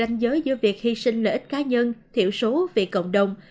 ranh giới giữa việc hy sinh lợi ích cá nhân thiểu số việc cộng đồng